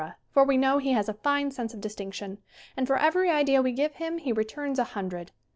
for we know he has a fine sense of distinction and, for every idea we give him, he returns a hundred.